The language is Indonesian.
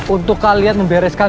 untuk kalian membereskan